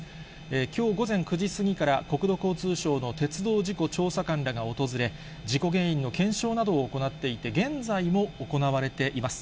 きょう午前９時過ぎから、国土交通省の鉄道事故調査官らが訪れ、事故原因の検証などを行っていて、現在も行われています。